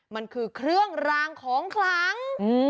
มันคือเครื่องรางของขลัง